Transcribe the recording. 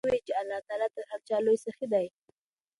غلام په لوړ غږ وویل چې الله تر هر چا لوی سخي دی.